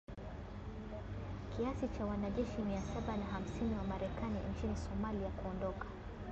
kiasi cha wanajeshi mia saba na hamsini wa Marekani nchini Somalia kuondoka